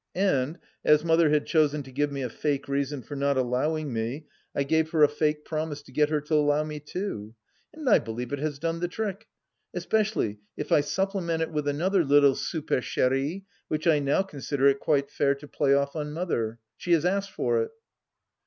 And, as Mother had chosen to give me a fake reason for not allowing me I gave her a fake promise to get her to allow me to, and I believe it has done the trick, especially if I supplement it with another little swpercherie which I now consider it quite fair to play off on Mother. She has asked for it.